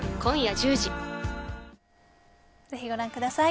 ぜひご覧ください。